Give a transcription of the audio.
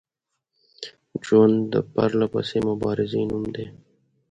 ژوند د پرلپسې مبارزې نوم دی